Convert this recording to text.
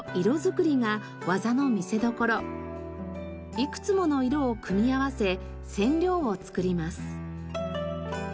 いくつもの色を組み合わせ染料を作ります。